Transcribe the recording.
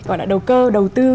gọi là đầu cơ đầu tư